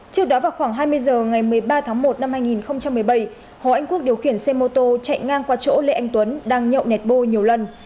trước đó vào khoảng hai mươi h ngày một mươi ba tháng một năm hai nghìn một mươi bảy hồ anh quốc điều khiển xe mô tô chạy ngang qua chỗ lê anh tuấn đang nhậu nẹt bô nhiều lần